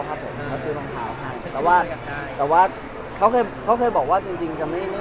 เพราะว่ามันจะเป็นเหมือนการเดินจากการ